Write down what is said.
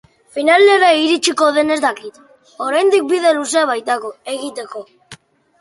Finalera iristiko den ez dakit, oraindik bide luzea baitago egiteko.